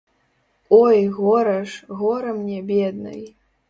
Ой, гора ж, гора мне, беднай!